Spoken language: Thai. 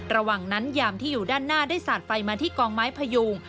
ระหว่างนั้นยามที่อยู่ด้านหน้าได้สาดไฟมาที่กองไม้พยุง